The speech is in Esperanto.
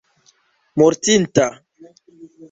mortinta